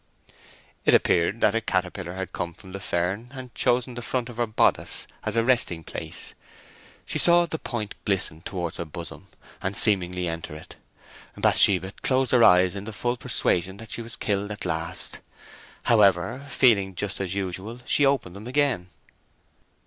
It appeared that a caterpillar had come from the fern and chosen the front of her bodice as his resting place. She saw the point glisten towards her bosom, and seemingly enter it. Bathsheba closed her eyes in the full persuasion that she was killed at last. However, feeling just as usual, she opened them again.